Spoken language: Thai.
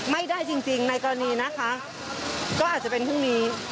ไม่ได้จริงในกรณีนะคะก็อาจจะเป็นพรุ่งนี้